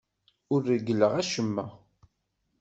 Ur reggleɣ acemma.